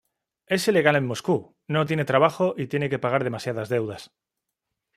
Es ilegal en Moscú, no tiene trabajo y tiene que pagar demasiadas deudas.